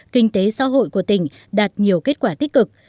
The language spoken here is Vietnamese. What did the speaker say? kinh tế xã hội của tỉnh đạt nhiều kết quả tích cực